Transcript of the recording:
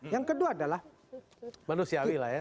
yang kedua adalah manusiawi lah ya